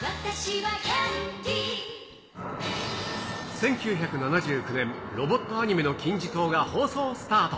１９７９年、ロボットアニメの金字塔が放送スタート。